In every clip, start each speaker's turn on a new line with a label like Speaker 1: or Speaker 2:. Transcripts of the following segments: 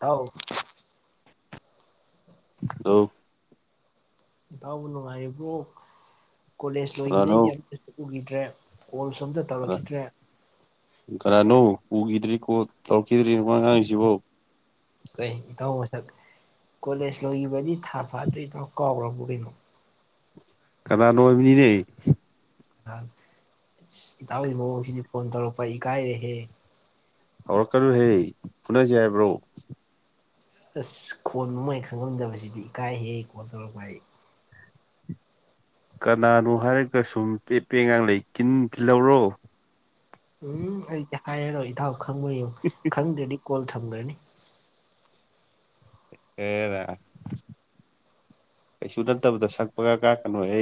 Speaker 1: ꯇꯥꯎ
Speaker 2: ꯂꯣ
Speaker 1: ꯏꯇꯥꯎꯕꯨ ꯅꯨꯡꯉꯥꯏꯔꯤꯕ꯭ꯔꯣ ꯀꯣꯂꯦꯖ ꯂꯣꯏꯒꯤꯗꯩꯗꯤ
Speaker 2: ꯀꯅꯥꯅꯣ
Speaker 1: ꯑꯝꯇ ꯎꯒꯤꯗ꯭ꯔꯦ ꯀꯣꯜꯁꯨ ꯑꯝꯇꯥ
Speaker 2: ꯀꯅꯥ ꯀꯅꯥꯅꯣ ꯎꯒꯤꯗ꯭ꯔꯦ ꯀꯣꯜ ꯇꯧꯔꯈꯤꯗ꯭ꯔꯦ ꯋꯥ ꯉꯥꯡꯉꯤꯁꯤꯕꯣ
Speaker 1: ꯀꯩ ꯏꯇꯥꯎ ꯃꯁꯛ ꯀꯣꯂꯦꯖ ꯂꯣꯏꯒꯤꯕꯗꯤ ꯊꯥ ꯐꯥꯗ꯭ꯔꯤ ꯏꯇꯥꯎ ꯀꯥꯎꯒ꯭ꯔꯥꯕꯣ ꯀꯩꯅꯣ
Speaker 2: ꯀꯅꯥꯅꯣ ꯍꯥꯏꯕꯅꯤꯅꯦ
Speaker 1: ꯇꯥꯎ ꯏꯇꯥꯎꯒꯤ ꯃꯑꯣꯡꯁꯤꯗꯤ ꯐꯣꯟ ꯇꯧꯔꯛꯄ ꯏꯀꯥꯏꯔꯦꯍꯦ
Speaker 2: ꯍꯧꯔꯛꯀꯥꯅꯨꯍꯦ ꯐꯨꯅꯥꯖꯤ ꯍꯥꯏꯕ꯭ꯔꯣ
Speaker 1: ꯑꯁ ꯈꯣꯟ [unintelligible] ꯈꯪꯉꯝꯗꯕꯁꯤꯗꯤ ꯏꯀꯥꯏ ꯍꯦ ꯀꯣꯜ ꯇꯧꯔꯛꯄ ꯑꯩ
Speaker 2: ꯀꯅꯥꯅꯣ ꯍꯥꯏꯔꯒ ꯁꯨꯝ ꯄꯦꯠꯄꯦ ꯉꯥꯡꯂꯩ ꯀꯤꯟ ꯊꯤꯜꯂꯧꯔꯣ
Speaker 1: ꯎꯝ ꯑꯩꯗꯤ ꯍꯥꯏꯔꯔꯣꯏ ꯏꯊꯥꯎ ꯈꯪꯕ ꯌꯦꯡꯉꯨ
Speaker 2: [unintelligible]
Speaker 1: ꯈꯪꯗ꯭ꯔꯥꯗꯤ ꯀꯣꯜ ꯊꯝꯒ꯭ꯔꯥꯅꯤ
Speaker 2: ꯑꯦꯔꯥ ꯀꯩꯁꯨ ꯅꯠꯇꯕꯗ ꯁꯛ ꯄꯪꯀꯥꯛ ꯀꯥꯛꯀꯥꯅꯨꯍꯦ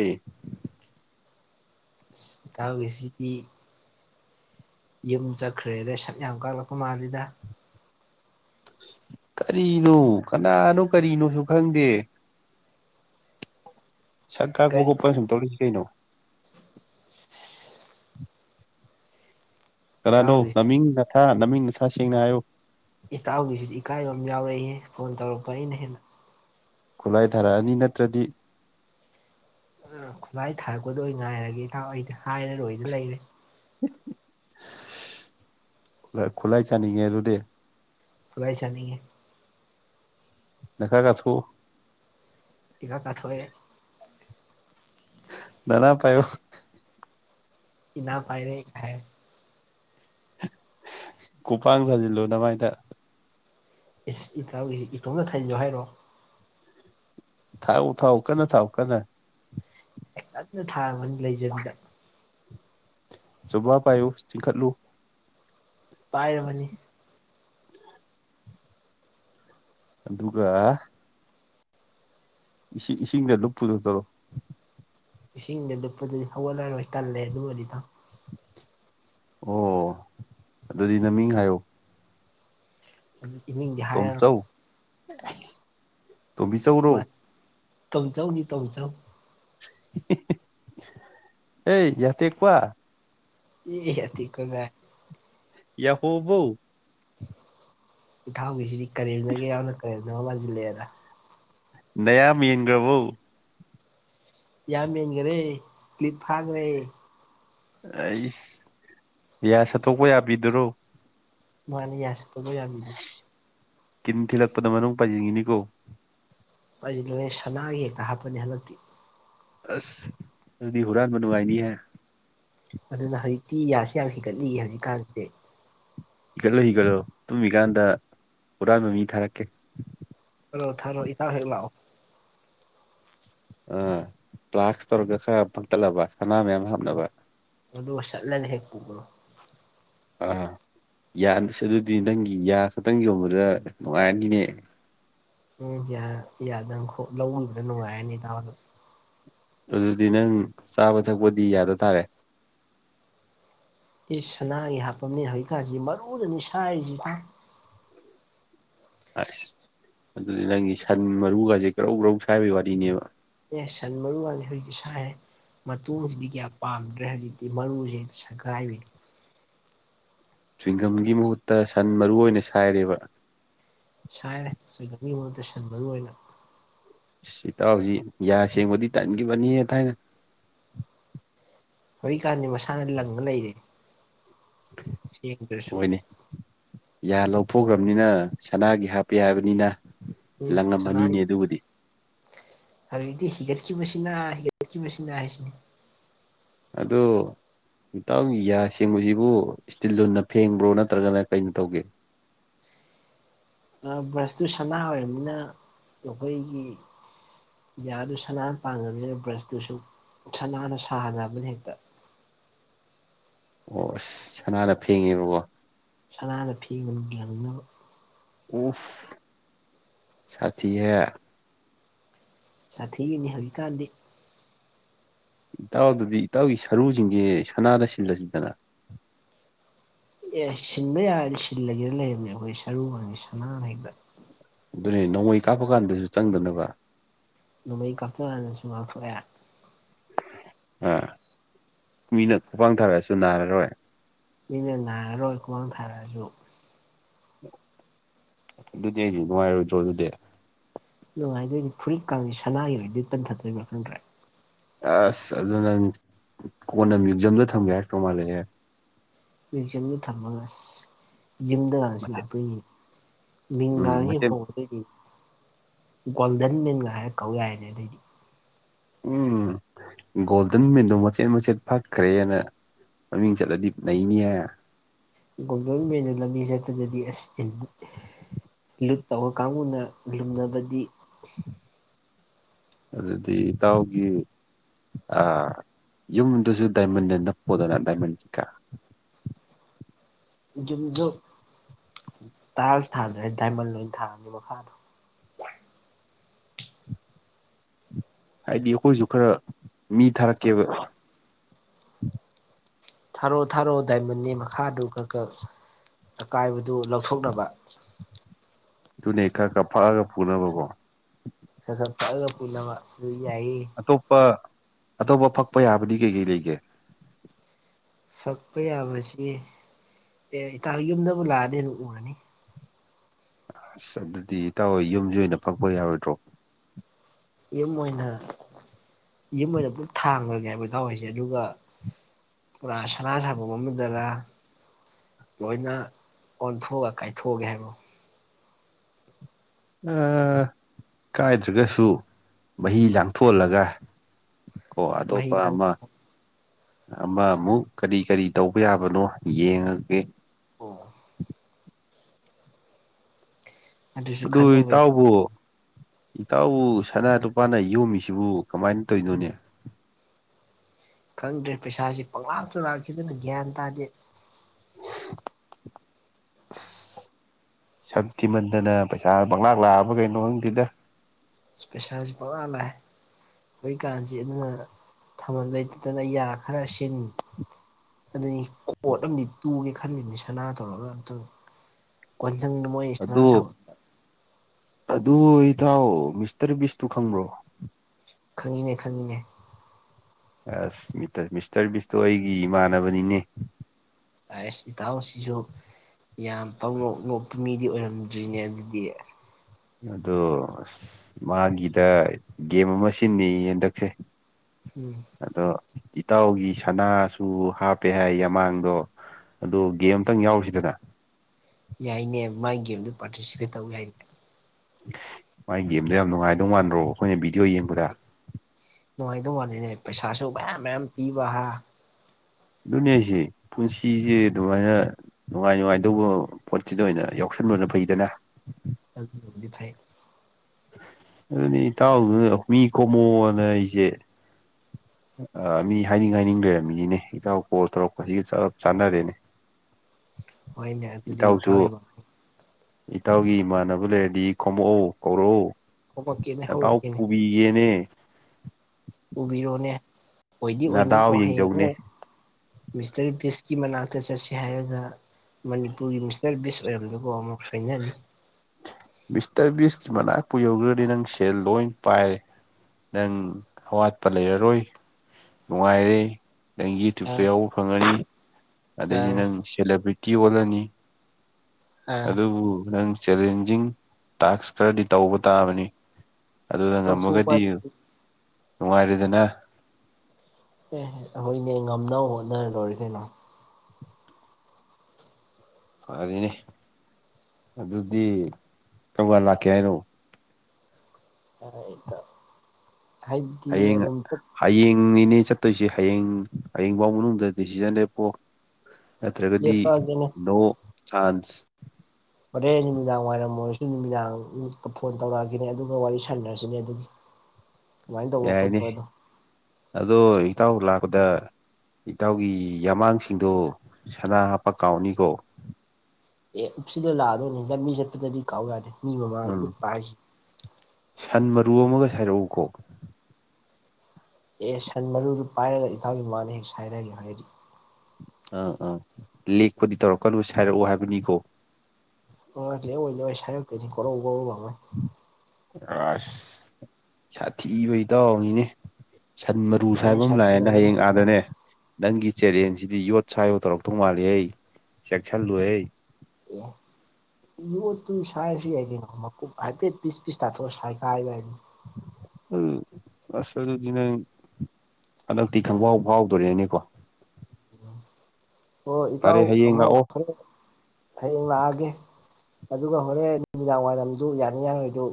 Speaker 1: ꯏꯁ ꯏꯇꯥꯎ ꯒꯤꯁꯤꯗꯤ ꯌꯨꯝ ꯆꯠꯈ꯭ꯔꯦꯗ ꯁꯛ ꯌꯥꯝ ꯀꯥꯛꯂꯛꯄ ꯃꯥꯜꯂꯤꯗ
Speaker 2: ꯀꯔꯤꯅꯣ ꯀꯅꯥꯅꯣ ꯀꯔꯤꯅꯣꯁꯨ ꯈꯪꯗꯦ ꯁꯛ ꯀꯥꯛꯄ
Speaker 1: ꯀꯔꯤ
Speaker 2: ꯈꯣꯠꯄꯅ ꯁꯨꯝ ꯇꯧ ꯂꯩꯁꯤ ꯀꯩꯅꯣ ꯀꯅꯥꯅꯣ
Speaker 1: ꯏꯇꯥꯎꯒꯤꯁꯤ
Speaker 2: ꯅꯃꯤꯡ ꯅꯊꯥ ꯅꯃꯤꯡ ꯅꯊꯥ ꯁꯦꯡꯅ ꯍꯥꯏꯌꯨ
Speaker 1: ꯏꯇꯥꯎꯒꯤꯁꯤꯗꯤ ꯏꯀꯥꯏꯕ ꯑꯃ ꯌꯥꯎꯔꯦꯍꯦ ꯐꯣꯟ ꯇꯧꯔꯛꯄ ꯑꯩꯅ ꯍꯦꯟꯅ
Speaker 2: ꯈꯨꯠꯂꯥꯏ ꯊꯥꯔꯛꯑꯅꯤ ꯅꯠꯇ꯭ꯔꯥꯗꯤ
Speaker 1: ꯑꯗꯨꯅ ꯈꯨꯠꯂꯥꯏ ꯊꯥꯔꯛꯄꯗꯣ ꯑꯣꯏ ꯉꯥꯏꯔꯒꯦ ꯏꯇꯥꯎ ꯑꯩꯗꯤ ꯍꯥꯏꯔꯔꯣꯏꯗꯥ ꯂꯩꯔꯦ
Speaker 2: ꯈꯨꯠꯂꯥꯏ ꯈꯨꯠꯂꯥꯏ ꯆꯥꯅꯤꯡꯉꯦ ꯑꯗꯨꯗꯤ
Speaker 1: ꯈꯨꯂꯥꯏ ꯆꯥꯅꯤꯡꯉꯦ
Speaker 2: ꯅꯈ꯭ꯌꯥꯠ ꯀꯥꯊꯣꯛꯎ
Speaker 1: ꯏꯈ꯭ꯌꯥꯠ ꯀꯥꯊꯣꯛꯑꯦ
Speaker 2: ꯅꯅꯥ ꯄꯥꯏꯌꯨ
Speaker 1: ꯏꯅꯥ ꯄꯥꯏꯔꯦ ꯍꯥꯏ
Speaker 2: ꯈꯨꯄꯥꯥꯡ ꯊꯖꯤꯜꯂꯨ ꯅꯃꯥꯥꯏꯗ
Speaker 1: ꯏꯁ ꯏꯇꯥꯎꯒꯤꯁꯤ ꯏꯇꯣꯝꯗ ꯊꯥꯖꯤꯟꯂꯣ ꯍꯥꯏꯔꯣ
Speaker 2: ꯊꯥꯎ ꯊꯥꯎ ꯀꯟꯅ ꯊꯥꯎ ꯀꯟꯅ
Speaker 1: [unintelligible] ꯀꯟꯅ ꯊꯥꯔꯕꯅꯤ ꯂꯩꯖꯕꯤꯗ
Speaker 2: ꯆꯨꯕ ꯄꯥꯏꯌꯨ ꯆꯤꯡꯈꯠꯂꯨ
Speaker 1: ꯄꯥꯏꯔꯕꯅꯤ
Speaker 2: [unintelligible] ꯑꯗꯨꯒ ꯏꯁꯤꯡ ꯏꯁꯤꯡꯗ ꯂꯨꯞ ꯄꯨꯂꯗꯧꯇꯧꯔꯣ
Speaker 1: ꯏꯁꯤꯡꯗ ꯂꯨꯞꯄꯗꯨꯗꯤ ꯍꯧꯒꯠꯂ ꯔꯣꯏ ꯇꯜꯂꯦ ꯑꯗꯨꯃꯗꯤ ꯏꯇꯥꯎ
Speaker 2: ꯑꯣ ꯑꯗꯨꯗꯤ ꯅꯃꯤꯡ ꯍꯥꯏꯌꯨ
Speaker 1: ꯏꯃꯥꯛꯗꯤ ꯍꯥꯏꯔꯔꯣꯏ
Speaker 2: ꯇꯣꯝꯆꯧ
Speaker 1: ꯃ
Speaker 2: ꯇꯣꯝꯕꯤꯆꯧꯔꯣ
Speaker 1: ꯇꯣꯝꯆꯧꯅꯤ ꯇꯣꯝꯆꯧ
Speaker 2: ꯑꯦ ꯌꯥ ꯇꯦꯛꯄ
Speaker 1: ꯏ ꯌꯥ ꯇꯦꯛ ꯄ ꯀꯥꯏ
Speaker 2: ꯌꯥꯍꯣꯕꯧ
Speaker 1: ꯏ ꯊꯥꯎꯒꯤꯁꯤꯗꯤ ꯀꯔꯦꯝꯅꯒꯦ ꯌꯥꯎꯅ ꯀꯔꯦꯝꯅꯕ ꯃꯥꯟꯁꯤꯜꯂꯛꯑꯦꯗ
Speaker 2: ꯅꯌꯥ ꯃꯦꯟꯈꯔꯕꯣ
Speaker 1: ꯌꯥ ꯃꯦꯟꯈꯔꯦ ꯀꯤꯞ ꯐꯥꯈ꯭ꯔꯦ
Speaker 2: ꯑꯩꯁ ꯌꯥ ꯁꯠꯇꯣꯛꯄ ꯌꯥꯕꯤꯗꯨꯔꯣ
Speaker 1: ꯃꯥꯅꯤ ꯌꯥꯁꯠꯄꯒ ꯌꯥꯕꯤꯗꯣ
Speaker 2: ꯀꯤꯟ ꯊꯤꯜꯂꯛꯄꯗ ꯃꯅꯨꯡ ꯄꯥꯏꯁꯤꯟꯈꯤꯅꯤꯀꯣ
Speaker 1: ꯄꯥꯏꯁꯤꯜ ꯂꯣꯏꯍꯦ ꯁꯅꯥꯒꯤ ꯍꯦꯛꯇ ꯍꯥꯞꯄꯅꯤ ꯍꯟꯗꯛꯇꯤ
Speaker 2: ꯑꯁ ꯑꯗꯨꯗꯤ ꯍꯨꯔꯥꯟꯕ ꯅꯨꯉꯥꯏꯅꯤ ꯍꯦ
Speaker 1: ꯑꯗꯨꯅ ꯍꯧꯖꯤꯛꯇꯤ ꯌꯥꯁꯤ ꯌꯥꯝ ꯍꯤꯒꯠꯂꯤꯌꯦ ꯍꯧꯖꯤꯛꯀꯥꯟꯁꯦ
Speaker 2: ꯏꯒꯠꯂꯣ ꯏꯒꯠꯂꯣ ꯇꯨꯝꯃꯤꯀꯥꯟꯗ ꯍꯨꯔꯥꯟꯕ ꯃꯤ ꯊꯥꯔꯛꯀꯦ
Speaker 1: ꯊꯥꯔꯛꯑꯣ ꯊꯥꯔꯛꯑꯣ ꯏꯇꯥꯥꯎ ꯍꯦꯛ ꯂꯥꯛꯑꯣ
Speaker 2: ꯑꯥ ꯄ꯭ꯂꯥꯛꯁ ꯇꯧꯔꯒ ꯁꯥꯅꯥ ꯈꯔ ꯄꯪꯇꯠꯂꯕ ꯁꯅꯥ ꯃꯌꯥꯝ ꯍꯥꯞꯅꯕ
Speaker 1: ꯑꯗꯨꯒ ꯁꯠꯂꯒ ꯍꯦꯛ ꯄꯨꯈꯔꯣ
Speaker 2: ꯑꯥ ꯌꯥꯁ ꯑꯗꯨꯗꯤ ꯅꯪꯒꯤ ꯌꯥ ꯈꯛꯇꯪ ꯌꯣꯟꯕꯗ ꯅꯨꯡꯉꯥꯏꯔꯅꯤꯅꯦ
Speaker 1: ꯎꯝ ꯌꯥ ꯌꯥꯗꯪ ꯈꯣꯛ ꯂꯧꯕꯗ ꯅꯨꯡꯉꯥꯏꯔꯅꯤ ꯢꯇꯥꯎ ꯑꯗꯣ
Speaker 2: ꯑꯗꯨꯗꯤ ꯅꯪ ꯆꯥꯕ ꯊꯛꯄꯗꯤ ꯌꯥꯗ ꯇꯥꯔꯦ
Speaker 1: ꯏꯁ ꯁꯅꯥꯒꯤ ꯍꯥꯞꯄꯝꯅꯦꯅ ꯍꯧꯖꯤꯛꯀꯥꯟꯁꯤ ꯃꯔꯨꯗꯅꯤ ꯁꯥꯏꯔꯤꯁꯤ
Speaker 2: ꯑꯁ ꯑꯗꯨꯗꯤ ꯅꯪꯒꯤ ꯁꯟ ꯃꯔꯨꯒꯁꯦ ꯒꯔꯧ ꯒꯔꯧ ꯁꯥꯏꯕꯒꯤ ꯋꯥꯔꯤꯅꯦꯕ
Speaker 1: ꯑꯦ ꯁꯟ ꯃꯔꯨꯒꯁꯦ ꯑꯩꯈꯣꯏꯗꯤ ꯁꯥꯏꯔꯦ ꯃꯇꯣꯛꯁꯤꯗꯤ ꯀꯌꯥ ꯄꯥꯝꯗ꯭ꯔꯦ ꯍꯧꯖꯤꯛꯇꯤ ꯃꯔꯨꯁꯦ ꯁꯥꯒꯥꯏꯕꯅꯤ
Speaker 2: ꯆ꯭ꯋꯤꯡꯒꯝꯒꯤ ꯃꯍꯨꯠꯇ ꯁꯟ ꯃꯔꯨ ꯑꯣꯏꯅ ꯁꯥꯏꯔꯦꯕ
Speaker 1: ꯁꯥꯏꯔꯦ ꯆꯨꯏꯒꯝꯒꯤ ꯃꯍꯨꯠꯇ ꯁꯟ ꯃꯔꯨ ꯑꯣꯏꯅ
Speaker 2: ꯢꯁ ꯢꯇꯥꯎꯁꯤ ꯌꯥ ꯁꯦꯡꯕꯗꯤ ꯇꯟꯈꯤꯕꯅꯤ ꯍꯦ ꯊꯥꯏꯅ
Speaker 1: ꯍꯧꯖꯤꯛꯀꯥꯟꯗꯤ ꯃꯁꯥꯅ ꯂꯪꯉ ꯂꯩꯔꯦ ꯁꯦꯡꯗ꯭ꯔꯁꯨ
Speaker 2: ꯍꯣꯏꯅꯦ ꯌꯥ ꯂꯧꯊꯣꯛꯈ꯭ꯔꯕꯅꯤꯅ ꯁꯅꯥꯒꯤ ꯍꯥꯞꯄꯦ ꯍꯥꯏꯕꯅꯤꯅ ꯂꯪꯉꯝꯃꯅꯤꯅꯦ ꯑꯗꯨꯕꯨꯗꯤ
Speaker 1: ꯍꯧꯖꯤꯛꯗꯤ ꯍꯤꯒꯠꯈꯤꯕꯁꯤꯅ ꯍꯤꯒꯠꯈꯤꯕꯁꯤꯅ ꯍꯥꯏꯁꯤꯅꯤ
Speaker 2: ꯑꯗꯣ ꯏꯇꯥꯎꯒꯤ ꯌꯥ ꯁꯦꯡꯕꯁꯤꯕꯨ ꯏꯁꯇꯤꯜ ꯂꯨꯅ ꯐꯦꯡꯕ꯭ꯔꯣ ꯅꯠꯇ꯭ꯔꯒꯅ ꯀꯩꯅꯣ ꯇꯧꯒꯦ
Speaker 1: ꯑ ꯕ꯭ꯔꯁꯇꯨ ꯁꯅꯥ ꯑꯣꯏꯔꯕꯅꯤꯅ ꯑꯩꯈꯣꯏꯒꯤ ꯌꯥꯗꯨ ꯁꯅꯥꯅ ꯄꯥꯟꯒꯅꯤꯅ ꯕ꯭ꯔꯁꯇꯨꯁꯨ ꯁꯅꯥꯟꯅ ꯁꯥꯍꯟꯅꯕꯅꯦ ꯍꯦꯛꯇ
Speaker 2: ꯑꯣꯁ ꯁꯅꯥꯗ ꯐꯦꯡꯉꯦꯕꯀꯣ
Speaker 1: ꯁꯅꯥꯅ ꯐꯦꯛꯉꯦ ꯂꯪꯅꯕ
Speaker 2: ꯑꯣꯐ ꯁꯥꯇꯤ ꯍꯦ
Speaker 1: ꯁꯥꯊꯤꯒꯅꯤ ꯍꯧꯖꯤꯛꯀꯥꯟꯗꯤ
Speaker 2: ꯏꯇꯥꯎ ꯑꯗꯨꯗꯤ ꯏꯇꯥꯎꯒꯤ ꯁꯔꯨꯁꯤꯡꯁꯦ ꯁꯅꯥꯗ ꯁꯤꯜꯂꯁꯤꯗꯅ
Speaker 1: ꯑꯦ ꯁꯤꯟꯕ ꯌꯥꯔꯗꯤ ꯁꯤꯜꯂꯒꯦꯅ ꯂꯩꯔꯕꯅꯦ ꯑꯩꯈꯣꯏ ꯁꯔꯨ ꯃꯈꯩ ꯁꯅꯥꯗ ꯍꯦꯛꯇ
Speaker 2: ꯑꯗꯨꯅꯦ ꯅꯣꯡꯃꯩ ꯀꯥꯞꯄ ꯀꯥꯟꯗꯁꯨ ꯆꯪꯗꯅꯕ
Speaker 1: ꯅꯣꯡꯃꯩ ꯀꯥꯞꯊꯣꯛꯖꯟꯂꯁꯨ ꯉꯥꯛꯊꯣꯛꯑꯦ
Speaker 2: ꯑꯥ ꯃꯤꯅ ꯈꯨꯄꯥꯛꯅ ꯊꯥꯔꯛꯑꯁꯨ ꯅꯥꯔꯔꯣꯏ
Speaker 1: ꯃꯤꯅ ꯅꯥꯔꯔꯣꯏ ꯈꯨꯄꯥꯛꯅ ꯊꯥꯔꯛꯑꯁꯨ
Speaker 2: ꯑꯗꯨꯗꯤ ꯑꯩꯗꯤ ꯅꯨꯡꯉꯥꯏꯔꯣꯏꯗ꯭ꯔꯣ ꯑꯗꯨꯗꯤ
Speaker 1: ꯅꯨꯡꯉꯥꯏꯗꯣꯏꯅꯤ ꯐꯨꯔꯤꯠ ꯀꯥꯡꯁꯦ ꯁꯅꯥꯒꯤ ꯑꯣꯏꯅ ꯂꯤꯠꯄꯅ ꯐꯗꯣꯏꯕ꯭ꯔ ꯈꯪꯗ꯭ꯔꯦ
Speaker 2: ꯑꯁ ꯑꯗꯨ ꯅꯪ ꯀꯣꯟꯅ ꯃ꯭ꯌꯨꯖꯝꯗ ꯊꯝꯒꯦ ꯍꯥꯏꯛꯇ꯭ꯔꯧ ꯃꯥꯜꯂꯦꯍꯦ
Speaker 1: ꯃ꯭ꯌꯨꯖꯤꯌꯝꯗ ꯊꯝꯃꯒ ꯑꯁ ꯌꯨꯝꯗ ꯉꯁꯤ
Speaker 2: ꯃꯆꯦꯠ
Speaker 1: ꯂꯥꯛꯇꯣꯏꯅꯤ
Speaker 2: ꯎꯝ
Speaker 1: [unintelligible]
Speaker 2: ꯃꯆꯦꯠ
Speaker 1: ꯑꯗꯨꯗꯤ ꯒꯣꯜꯗꯟ ꯃꯦꯟꯒ ꯍꯥꯏꯔ ꯀꯧ ꯌꯥꯔꯦꯅꯦ ꯑꯗꯩꯗꯤ
Speaker 2: ꯎꯝ
Speaker 1: [inaudible]
Speaker 2: ꯒꯣꯜꯗꯟ ꯃꯦꯟꯗꯣ ꯃꯆꯦꯠ ꯃꯆꯦꯠ ꯐꯛꯈ꯭ꯔꯦꯅ ꯃꯃꯤꯡ ꯆꯠꯂꯗꯤ ꯅꯩꯅꯤ ꯍꯦ
Speaker 1: ꯒꯣꯜꯗꯟ ꯃꯦꯟꯅ ꯂꯝꯕꯤ ꯆꯠꯄꯗꯗꯤ ꯑꯁ [unintelligible] ꯂꯤꯠ ꯇꯧꯕ ꯀꯥꯡꯕꯨꯅ ꯂꯨꯝꯂꯕꯗꯤ [inaudible]
Speaker 2: ꯑꯗꯨꯗꯤ ꯏꯇꯥꯎꯒꯤ ꯑ ꯌꯨꯝꯗꯨꯁꯨ ꯗꯥꯏꯃꯟꯅ ꯅꯞꯄꯣꯗꯅ ꯗꯥꯏꯃꯟ ꯀꯩꯀꯥ
Speaker 1: ꯌꯨꯝꯗꯨ ꯇꯥꯏꯜꯁ ꯊꯥꯗ꯭ꯔꯦ ꯗꯥꯏꯃꯟ ꯑꯣꯏ ꯊꯥꯔꯅꯤ ꯃꯈꯥꯗꯣ
Speaker 2: ꯍꯥꯏꯗꯤ ꯑꯩꯈꯣꯏꯁꯨ ꯈꯔ ꯃꯤ ꯊꯥꯔꯛꯀꯦꯕ
Speaker 1: ꯊꯥꯔꯛꯑꯣ ꯊꯥꯔꯛꯑꯣ ꯗꯥꯏꯃꯟꯅꯤ ꯃꯈꯥꯗꯨ ꯀꯛ ꯀꯛ ꯑꯀꯥꯏꯕꯗꯨ ꯂꯧꯊꯣꯛꯅꯕ
Speaker 2: ꯑꯗꯨꯅꯦ ꯈꯔ ꯈꯔ ꯐꯛꯑꯒ ꯄꯨꯨꯅꯕꯀꯣ
Speaker 1: ꯈꯔ ꯈꯔ ꯐꯛꯑꯒ ꯄꯨꯅꯕ ꯑꯗꯨ ꯌꯥꯏꯌꯦ
Speaker 2: ꯑꯇꯣꯞꯄ ꯑꯇꯣꯞꯄ ꯐꯛꯄ ꯌꯥꯕꯗꯤ ꯀꯩ ꯀꯩ ꯂꯩꯒꯦ
Speaker 1: ꯐꯛꯄ ꯌꯥꯕꯁꯤ ꯑꯦ ꯏꯇꯥꯎ ꯨꯝꯗꯕꯨ ꯂꯥꯛꯑꯅꯤ ꯑꯗꯨꯝ ꯎꯔꯅꯤ
Speaker 2: ꯑꯁ ꯑꯗꯨꯗꯤ ꯏꯇꯥꯎꯍꯣꯏ ꯌꯨꯝꯁꯦ ꯑꯣꯏꯅ ꯐꯛꯄ ꯌꯥꯔꯣꯏꯗ꯭ꯔꯣ
Speaker 1: ꯌꯨꯝ ꯑꯣꯏꯅ ꯌꯨꯝ ꯑꯣꯏꯅ ꯄꯨꯂꯞ ꯊꯥꯡꯈ꯭ꯔꯒꯦ ꯍꯥꯏꯕ꯭ꯔꯣ ꯏꯇꯥꯎꯍꯣꯏꯁꯦ ꯑꯗꯨꯒ ꯄꯨꯔꯥ ꯁꯅꯥ ꯁꯥꯐꯝ ꯑꯝꯗꯔ ꯂꯣꯏꯅ ꯑꯣꯟꯊꯣꯛꯑ ꯀꯥꯏꯊꯣꯛꯑꯒꯦ ꯍꯥꯏꯕ꯭ꯔꯣ
Speaker 2: ꯑ ꯀꯥꯏꯗ꯭ꯔꯒꯁꯨ ꯃꯍꯤ ꯂꯥꯡꯊꯣꯛꯍꯜꯂꯒ ꯀꯣ
Speaker 1: ꯃꯍꯩ
Speaker 2: ꯑꯇꯣꯞꯄ
Speaker 1: ꯂꯥꯡ
Speaker 2: ꯑꯃ ꯑꯃ ꯑꯃꯨꯛ ꯀꯔꯤ ꯀꯔꯤ ꯇꯧꯕ ꯌꯥꯕꯅꯣ ꯌꯦꯡꯉꯒꯦ
Speaker 1: ꯑꯣ ꯑꯗꯨꯁꯨ
Speaker 2: ꯑꯗꯨ
Speaker 1: ꯈꯟꯅꯕ ꯌꯥꯏ
Speaker 2: ꯏꯇꯥꯎꯕꯨ ꯏꯇꯥꯎꯕꯨ ꯁꯅꯥ ꯂꯨꯄꯥꯅ ꯌꯣꯝꯃꯤꯁꯤꯕꯨ ꯀꯃꯥꯏꯅ ꯇꯧꯔꯤꯅꯣꯅꯦ
Speaker 1: ꯈꯪꯗ꯭ꯔꯦ ꯄꯩꯁꯥꯁꯤ ꯄꯪꯂꯥꯛꯇ ꯂꯥꯛꯈꯤꯗꯅ ꯒ꯭ꯌꯥꯟ ꯇꯥꯗꯦ [inaudible]
Speaker 2: ꯑꯁ ꯁꯛ ꯊꯤꯃꯟꯗꯅ ꯄꯩꯁꯥ ꯄꯪꯂꯥꯛ ꯂꯥꯛꯑꯕ ꯀꯩꯅꯣ ꯈꯪꯗꯦꯗ
Speaker 1: ꯑꯁ ꯄꯩꯁꯥꯁꯤ ꯄꯪꯂꯥꯛ ꯂꯥꯛꯑꯦ ꯍꯧꯏꯀꯥꯟꯁꯤ ꯑꯗꯨꯅ ꯊꯝꯕꯜ ꯂꯩꯇꯗꯅ ꯌꯥ ꯈꯔ ꯁꯤꯟ ꯑꯗꯨꯅꯤ ꯀꯣꯠ ꯑꯃꯗꯤ ꯇꯨꯒꯦ ꯈꯟꯂꯤꯕꯅꯤ ꯁꯅꯥ ꯇꯧꯔꯒ ꯑꯝꯇꯪ ꯀꯣꯟꯖꯪꯗ ꯃꯣꯏ ꯁꯥꯅ
Speaker 2: ꯑꯗꯨ
Speaker 1: ꯁꯥꯕ
Speaker 2: ꯑꯗꯨ ꯏꯇꯥꯎ ꯃꯤꯁꯇꯔ ꯕꯤꯁꯇꯨ ꯈꯪꯕ꯭ꯔꯣ
Speaker 1: ꯈꯪꯉꯤꯅꯦ ꯈꯪꯉꯤꯅꯦ
Speaker 2: ꯑꯁ ꯃꯤꯁꯇꯔ ꯃꯤꯕꯤꯁꯇꯣ ꯑꯩꯒꯤ ꯏꯃꯥꯟꯅꯕꯅꯤꯅꯦ
Speaker 1: ꯑꯥꯏꯁ ꯏꯇꯥꯎꯁꯤꯁꯨ ꯌꯥꯝ ꯄꯥꯎꯅꯣꯞ ꯅꯣꯞꯄ ꯃꯤꯗꯤ ꯑꯣꯏꯔꯝꯗ꯭ꯔꯤꯅꯦ ꯑꯗꯨꯗꯤ
Speaker 2: ꯑꯗꯣ ꯑꯁ ꯃꯥꯒꯤꯗ ꯒꯦꯝ ꯑꯃ ꯁꯤꯟꯅꯩ ꯍꯟꯗꯛꯁꯦ
Speaker 1: ꯎꯝ
Speaker 2: ꯑꯗꯣ ꯏꯇꯥꯎꯒꯤ ꯁꯅꯥꯁꯨ ꯍꯥꯞꯄꯦ ꯍꯥꯏ ꯌꯥꯃꯥꯡꯗꯣ ꯑꯗꯣ ꯒꯦꯝ ꯑꯃꯇꯪ ꯌꯥꯎꯔꯨꯁꯤꯗꯅ
Speaker 1: ꯌꯥꯏꯅꯦ ꯃꯥꯏ ꯒꯦꯝꯗꯨ ꯄꯥꯔꯇꯤꯁꯤꯄꯦꯠ ꯇꯧ ꯌꯥꯏꯅꯦ
Speaker 2: ꯃꯥꯏ ꯒꯦꯝꯗꯣ ꯌꯥꯝ ꯅꯨꯡꯉꯥꯏꯗꯧ ꯃꯥꯟꯗ꯭ꯔꯣ ꯑꯩꯈꯣꯏꯅ ꯚꯤꯗꯤꯑꯣ ꯌꯦꯡꯕꯗ
Speaker 1: ꯅꯨꯡꯉꯥꯏꯗꯧ ꯃꯥꯜꯂꯤꯅꯦ ꯄꯩꯁꯥꯁꯨ ꯃꯌꯥꯝ ꯃꯌꯥꯝ ꯄꯤꯕ ꯍꯥ
Speaker 2: ꯑꯗꯨꯅꯦ ꯍꯥꯏꯁꯦ ꯄꯨꯟꯁꯤꯁꯦ ꯑꯗꯨꯃꯥꯏꯅ ꯅꯨꯡꯉꯥꯏ ꯅꯨꯡꯉꯥꯏꯗꯧꯕ ꯄꯣꯠꯁꯤꯗ ꯑꯣꯏꯅ ꯌꯥꯎꯁꯟꯕꯅ ꯐꯩꯗꯅ
Speaker 1: ꯑꯗꯨꯕꯨꯗꯤ ꯐꯩ
Speaker 2: ꯑꯗꯨꯅꯤ ꯏꯇꯥꯎꯖꯨ ꯃꯤ ꯈꯣꯝꯃꯣꯛꯑꯣꯅ ꯍꯥꯏꯖꯦ ꯑ ꯃꯤ ꯍꯥꯏꯅꯤꯡ ꯍꯥꯏꯅꯤꯡ ꯂꯩꯔꯝꯃꯤꯅꯤꯅꯦ ꯢꯇꯥꯎ ꯀꯣꯜ ꯇꯧꯔꯛꯄ ꯁꯤꯒ ꯆꯞ ꯆꯥꯟꯅꯔꯦꯅꯦ
Speaker 1: ꯍꯣꯏꯅꯦ ꯑꯗꯨꯗꯤ ꯏꯇꯥꯎ
Speaker 2: ꯏꯇꯥꯎꯁꯨ ꯏꯇꯥꯎꯒꯤ ꯏꯃꯥꯟꯅꯕ ꯂꯩꯔꯗꯤ ꯈꯣꯝꯃꯛꯑꯣ ꯍꯧꯔꯛꯑꯣ
Speaker 1: ꯍꯧꯔꯛꯀꯦꯅꯦ
Speaker 2: ꯅꯇꯥꯎ
Speaker 1: ꯍꯧꯔꯛꯀꯦꯅꯦ
Speaker 2: ꯄꯨꯕꯤꯒꯦꯅꯦ
Speaker 1: ꯄꯨꯕꯤꯔꯣꯅꯦ ꯑꯣꯏꯗꯤ
Speaker 2: ꯅꯗꯥꯎ
Speaker 1: ꯑꯣꯏꯅꯤꯀꯣ ꯍꯌꯦꯡ
Speaker 2: ꯌꯦꯡꯖꯧꯅꯦ
Speaker 1: ꯑꯃꯨꯛ ꯃꯤꯁꯇ꯭ꯔ ꯕꯤꯁꯀꯤ ꯃꯅꯥꯛꯇ ꯆꯠꯁꯦ ꯍꯥꯏꯔꯒ ꯃꯅꯤꯄꯨꯔꯒꯤ ꯃꯤꯁꯇ꯭ꯔ ꯕꯤꯁ ꯑꯣꯏꯔꯝꯗꯅ ꯑꯃꯨꯛ ꯁꯣꯏꯅꯅꯤ
Speaker 2: ꯃꯤꯁꯇ꯭ꯔ ꯕꯤꯁꯀꯤ ꯃꯅꯥꯛꯄꯨ ꯌꯧꯈ꯭ꯔꯗꯤ ꯅꯪ ꯁꯦꯜ ꯂꯣꯏ ꯄꯥꯏꯔꯦ ꯅꯪ ꯑꯋꯥꯠꯄ ꯂꯩꯔꯔꯣꯏ ꯅꯨꯡꯉꯥꯏꯔꯦ ꯅꯪ
Speaker 1: ꯑ
Speaker 2: ꯌꯨꯇ꯭ꯌꯨꯕꯇ ꯌꯥꯎꯕ ꯐꯪꯉꯅꯤ
Speaker 1: ꯑ
Speaker 2: ꯑꯗꯩꯗꯤ ꯅꯪ ꯁꯦꯂꯦꯕ꯭ꯔꯤꯇꯤ ꯑꯣꯜꯂꯅꯤ
Speaker 1: ꯑ
Speaker 2: ꯑꯗꯨꯕꯨ ꯅꯪ ꯆꯦꯂꯦꯟꯖꯤꯡ ꯇꯥꯛꯁ ꯈꯔꯗꯤ ꯇꯧꯕ ꯇꯥꯕꯅꯤ ꯑꯗꯨꯗ
Speaker 1: ꯇꯧꯐꯨ
Speaker 2: ꯉꯝꯃꯒꯗꯤ
Speaker 1: ꯄꯥꯏꯕꯤ
Speaker 2: ꯅꯨꯡꯉꯥꯏꯔꯦꯗꯅ
Speaker 1: ꯑꯦ ꯍꯣꯢꯅꯦ ꯉꯝꯅꯕ ꯍꯣꯠꯅꯔ ꯂꯣꯏꯔꯦ ꯀꯩꯅꯣ
Speaker 2: ꯐꯔꯦꯅꯦ ꯑꯗꯨꯗꯤ ꯀꯔꯝꯀꯥꯟ ꯂꯥꯛꯀꯦ ꯍꯥꯏꯅꯣ
Speaker 1: ꯍꯔ ꯏꯇ [unintelligible]
Speaker 2: ꯍꯌꯦꯡ ꯍꯌꯦꯡꯅꯤꯅꯦ ꯆꯠꯇꯣꯏꯁꯦ ꯍꯌꯦꯡ ꯍꯌꯦꯡꯐꯥꯎ ꯃꯅꯨꯡꯗ ꯗꯤꯁꯤꯖꯟ ꯂꯦꯞꯄꯣ ꯅꯠꯇ꯭ꯔꯒꯗꯤ
Speaker 1: ꯂꯦꯞꯄꯛꯑꯒꯦꯅꯦ
Speaker 2: ꯅꯣ ꯆꯥꯟꯁ
Speaker 1: ꯍꯣꯔꯦꯟ ꯅꯨꯃꯤꯗꯥꯡ ꯋꯥꯏꯔꯝ ꯑꯣꯏꯔꯁꯨ ꯅꯨꯃꯤꯗꯥꯡ ꯐꯣꯟ ꯇꯧꯔꯛꯑꯒꯅꯦ ꯑꯗꯨꯒ ꯋꯥꯔꯤ ꯁꯥꯟꯅꯔꯁꯤꯅꯦ ꯑꯗꯨꯒꯤ [inaudible]
Speaker 2: ꯌꯥꯏꯅꯦ
Speaker 1: ꯈꯣꯠꯄ ꯑꯗꯣ
Speaker 2: ꯑꯗꯣ ꯏꯇꯥꯎ ꯂꯥꯛꯄꯗ ꯏꯇꯥꯎꯒꯤ ꯌꯥꯃꯥꯡꯁꯤꯡꯗꯣ ꯁꯅꯥ ꯍꯥꯞꯄ ꯀꯥꯎꯅꯤꯀꯣ
Speaker 1: ꯌꯦꯞꯁꯤꯂ ꯂꯥꯛꯑꯗꯣꯏꯅꯦꯗ ꯃꯤ ꯆꯠꯄꯗꯗꯤ ꯀꯥꯎ ꯌꯥꯗꯦ ꯃꯤ ꯃꯃꯥꯡ
Speaker 2: ꯎꯝ
Speaker 1: ꯎꯠꯄ ꯍꯥꯏꯁꯦ
Speaker 2: ꯁꯟ ꯃꯔꯨ ꯑꯃꯒ ꯁꯥꯏꯔꯛꯎꯀꯣ
Speaker 1: ꯑꯦ ꯁꯟ ꯃꯔꯨꯗꯨ ꯄꯥꯏꯔꯒ ꯏꯇꯥꯎꯒꯤ ꯃꯥꯡꯗ ꯍꯦꯛ ꯁꯥꯏꯔꯒꯦ ꯍꯥꯏꯗꯤ
Speaker 2: ꯑꯥ ꯑꯥ ꯂꯦꯛꯄꯗꯤ ꯇꯧꯔꯛꯀꯅꯨ ꯁꯥꯏꯔꯛꯑꯣ ꯍꯥꯏꯕꯅꯤꯀꯣ
Speaker 1: ꯍꯣꯏ ꯂꯦꯛꯑꯣꯏ ꯂꯦꯛꯑꯣꯏ ꯁꯥꯏꯔꯛꯇꯣꯏꯅꯤ ꯒꯥꯔꯧ ꯒꯥꯔꯧ ꯂꯥꯎꯉꯩ
Speaker 2: ꯑꯁ ꯁꯥꯊꯤꯕ ꯏꯇꯥꯎ ꯑꯃꯅꯤ ꯁꯟ ꯃꯔꯨ
Speaker 1: ꯃꯥꯅꯤ
Speaker 2: ꯁꯥꯏꯕ ꯑꯃ ꯂꯥꯛꯑꯦꯅ
Speaker 1: ꯁꯥꯊꯤꯔꯕꯅꯤ
Speaker 2: ꯍꯌꯦꯡ ꯑꯥꯗꯅꯦ ꯅꯪꯒꯤ ꯆꯦꯂꯦꯟꯁꯤꯗꯤ ꯌꯣꯠ ꯁꯥꯏꯕ ꯇꯧꯔꯛꯇꯧ ꯃꯥꯜꯂꯤꯍꯦ ꯆꯦꯛꯁꯤꯜꯂꯨ ꯍꯦ
Speaker 1: ꯑꯦ ꯌꯣꯠꯇꯨ ꯁꯥꯏꯔꯁꯨ ꯌꯥꯏ ꯀꯩꯅꯣ ꯃꯀꯨꯞ ꯍꯥꯏꯐꯦꯠ ꯄꯤꯁ ꯄꯤꯁ ꯇꯥꯊꯣꯛꯑ ꯁꯥꯏꯒꯥꯏꯕ
Speaker 2: ꯎꯝ ꯑꯁ ꯑꯗꯨꯗꯤ ꯅꯪ ꯍꯟꯗꯛꯇꯤ ꯈꯪꯐꯥꯎ ꯐꯥꯎꯗꯣꯔꯦꯅꯦꯀꯣ
Speaker 1: ꯍꯣ
Speaker 2: ꯐꯔꯦ
Speaker 1: ꯏꯇꯥꯎ
Speaker 2: ꯍꯌꯦꯡ
Speaker 1: ꯑꯃꯨꯛ
Speaker 2: ꯂꯥꯛꯑꯣ
Speaker 1: ꯍꯌꯦꯡ ꯂꯥꯛꯑꯒꯦ ꯑꯗꯨꯒ ꯍꯣꯔꯦꯟ ꯅꯨꯃꯤꯗꯥꯡ ꯋꯥꯏꯔꯝꯗꯨ ꯌꯥꯅꯤ ꯌꯥꯔꯣꯏꯗꯨ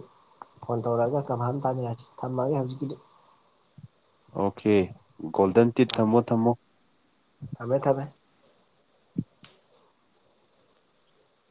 Speaker 1: ꯐꯣꯟ ꯇꯧꯔꯛꯑꯒ ꯀꯟꯐꯥꯝ ꯇꯥꯃꯤꯅꯔꯖꯤ ꯊꯝꯃꯒꯦ ꯍꯧꯖꯤꯛꯀꯤꯗꯤ
Speaker 2: ꯑꯣꯀꯦ ꯒꯣꯜꯗꯟ ꯇꯤꯠ ꯊꯝꯃꯣ ꯊꯝꯃꯣ
Speaker 1: ꯊꯝꯃꯦ ꯊꯝꯃꯦ